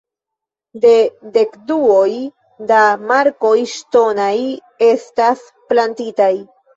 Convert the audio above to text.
Du dekduoj da markoj ŝtonaj estas plantitaj.